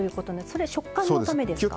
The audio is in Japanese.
それ食感のためですか？